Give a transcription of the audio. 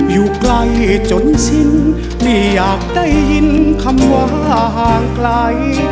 อยู่ไกลจนชิ้นไม่อยากได้ยินคำว่าห่างไกล